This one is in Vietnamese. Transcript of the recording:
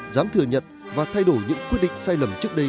dám thừa nhận và thay đổi những quyết định sai lầm trước đây